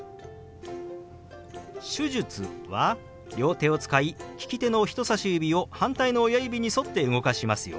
「手術」は両手を使い利き手の人さし指を反対の親指に沿って動かしますよ。